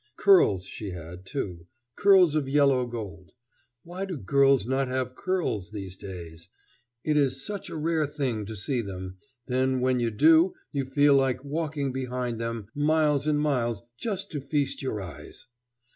Curls she had, too curls of yellow gold. Why do girls not have curls these days? It is such a rare thing to see them, that when you do you feel like walking behind them miles and miles just to feast your eyes.